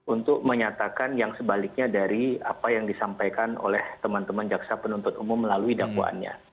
untuk menyatakan yang sebaliknya dari apa yang disampaikan oleh teman teman jaksa penuntut umum melalui dakwaannya